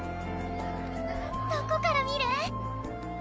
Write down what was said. どこから見る？